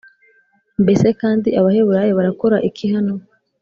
Mbese kandi Abaheburayo barakora iki hano